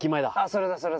それだそれだ。